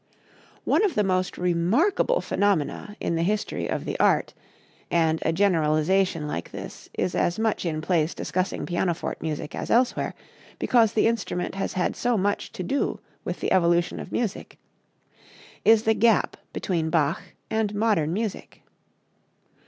One of the most remarkable phenomena in the history of the art and a generalization like this is as much in place in discussing pianoforte music as elsewhere, because the instrument has had so much to do with the evolution of music is the gap between Bach and modern music.